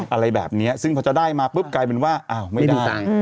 อะไรแบบนี้ซึ่งพอจะได้มาปุ๊บกลายเป็นว่าอ้าวไม่ได้